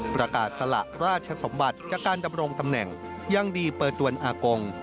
ประกาศสละราชสมบัติจากการดำรงตำแหน่งยังดีเปิดตัวอากง